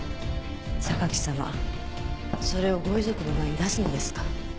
榊様それをご遺族の前に出すのですか？